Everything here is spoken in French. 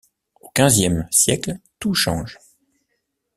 Au quinzième siècle tout change.